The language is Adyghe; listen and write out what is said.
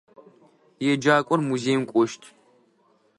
Еджакӏор музеим кӏощт.